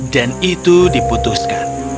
dan itu diputuskan